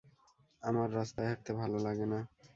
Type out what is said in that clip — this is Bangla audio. আমার রাস্তায় হাঁটতে ভালো লাগে না।